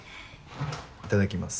いただきます。